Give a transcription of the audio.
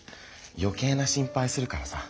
よけいな心配するからさ。